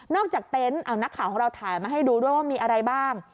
จากเต็นต์เอานักข่าวของเราถ่ายมาให้ดูด้วยว่ามีอะไรบ้าง